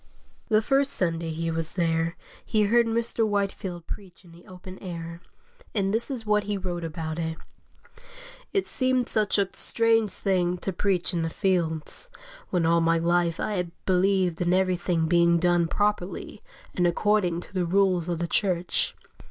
The first Sunday he was there he heard Mr. Whitefield preach in the open air, and this is what he wrote about it: "It seemed such a strange thing to preach in the fields, when all my life I had believed in everything being done properly and according to the rules of the Church.